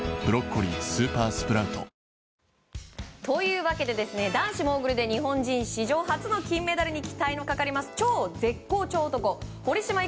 というわけで男子モーグルで日本人史上初の金メダルに期待のかかります超絶好調男堀島